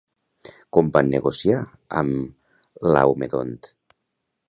Com van negociar amb Laomedont?